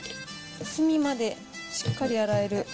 隅までしっかり洗える。